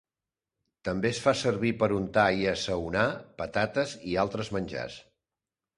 També es fa servir per untar i assaonar patates i altres menjars.